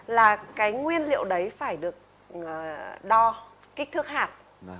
là cái nguyên liệu đấy phải được đo kích thước hạt